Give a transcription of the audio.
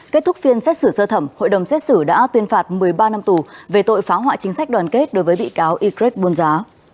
kết thúc phiên xét xử sơ thẩm hội đồng xét xử đã tuyên phạt một mươi ba năm tù về tội phá hoại chính sách đoàn kết đối với bị cáo y greg buôn giá